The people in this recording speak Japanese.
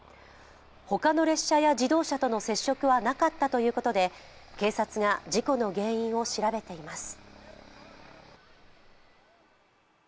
他の列車や自動車との接触はなかったということで警察が事故の原因を調べています。